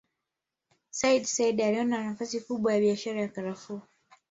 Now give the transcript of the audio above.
Sayyid Said aliona nafasi kubwa ya biashara ya Karafuu